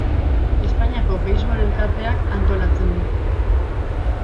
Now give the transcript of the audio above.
Espainiako Beisbol Elkarteak antolatzen du.